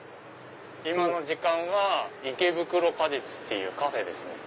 今の時間は池袋果実っていうカフェですね。